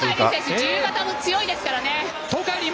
自由形も強いですからね。